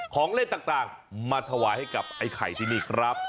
ของเล่นต่างมาถวายให้กับไอ้ไข่ที่นี่ครับ